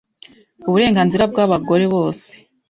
uburenganzira bwa abagore bose